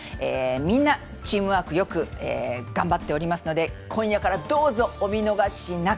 みんな、チームワークよく頑張っていますので今夜から、どうぞお見逃しなく。